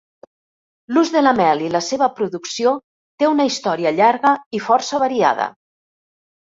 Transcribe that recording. L'ús de la mel i la seva producció té una història llarga i força variada.